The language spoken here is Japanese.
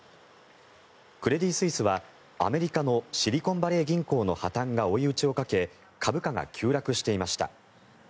クレディ・スイスはアメリカのシリコンバレー銀行の破たんが追い打ちをかけ株価が急落していました。